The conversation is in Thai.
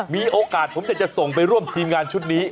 มีโอกาสผมจะส่งไปร่วมทีมงานชุดนี้